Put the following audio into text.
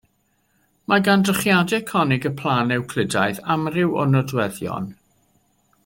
Mae gan drychiadau conig y plân Ewclidaidd amryw o nodweddion.